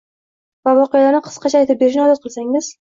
va voqealarni qisqacha aytib berishni odat qilsangiz.